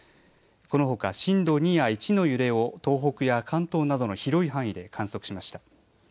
このほか震度２や１の揺れを東北や関東などの広い範囲で観測しました。